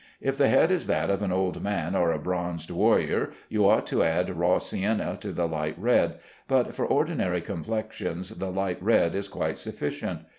If the head is that of an old man or a bronzed warrior, you ought to add raw sienna to the light red, but for ordinary complexions the light red is quite sufficient.